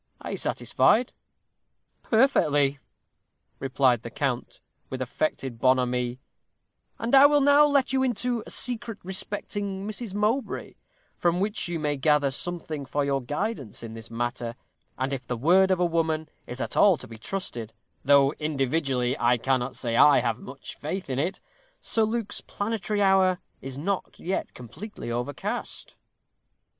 Are you satisfied?" "Perfectly," replied the count, with affected bonhomie; "and I will now let you into a secret respecting Miss Mowbray, from which you may gather something for your guidance in this matter; and if the word of a woman is at all to be trusted, though individually I cannot say I have much faith in it, Sir Luke's planetary hour is not yet completely overcast."